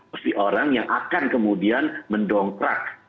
pasti orang yang akan kemudian mendongkrak